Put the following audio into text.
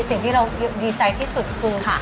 สิ่งที่เราดีใจที่สุดคือ